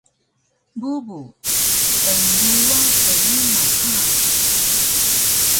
Bubu: Enduwa trima ha!